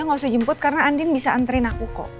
gak usah jemput karena andien bisa anterin aku kok